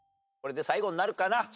これで最後になるかな。